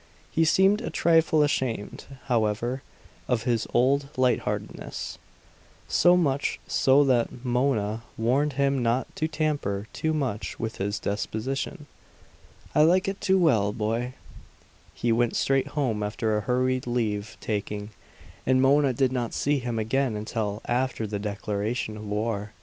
He seemed a trifle ashamed, however, of his old lightheartedness; so much so that Mona warned him not to tamper too much with his disposition. "I like it too well, boy." He went straight home after a hurried leave taking, and Mona did not see him again until after the declaration of war.